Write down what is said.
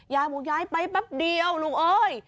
ยายหมูย้ายไปแป๊บเดียวลูกเอ้ย